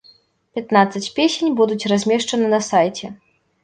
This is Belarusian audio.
Пятнаццаць песень будуць размешчаны на сайце.